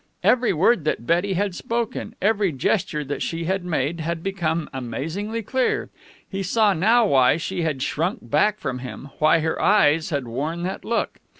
Every word that Betty had spoken, every gesture that she had made, had become amazingly clear. He saw now why she had shrunk back from him, why her eyes had worn that look.